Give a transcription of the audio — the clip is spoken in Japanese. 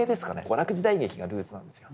娯楽時代劇がルーツなんですよ。